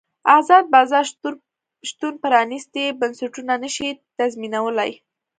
ازاد بازار شتون پرانیستي بنسټونه نه شي تضمینولی.